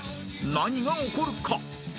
［何が起こるか？］